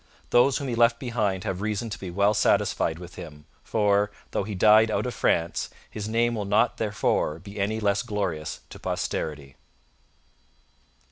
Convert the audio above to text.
Those whom he left behind have reason to be well satisfied with him; for, though he died out of France, his name will not therefor be any less glorious to posterity.